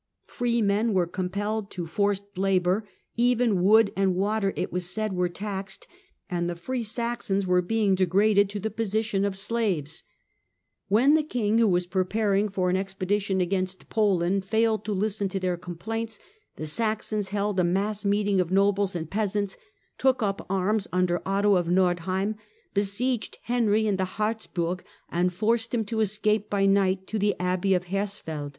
Free men were compelled to forced labour; even wood and water, it was said, were taxed, and the free Saxons were being degraded to the position THE WAR OF INVESTITURE 81 of slaves. When the king, who was preparing for an expedition against Poland, failed to listen to their com plaints, the Saxons held a mass meeting of nobles and peasants, took up arms under Otto of Nordheim, besieged Henry in the Harzburg, and forced him to escape by night to the Abbey of Hersfeld.